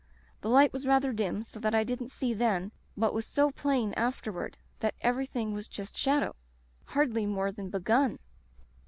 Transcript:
The light was rather dim so that I didn't see then, what was so plain afterward, that everything was just shadow — ^hardly more than begun.